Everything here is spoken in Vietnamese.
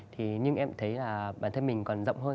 thì nhưng em thấy là bản thân mình còn rộng hơn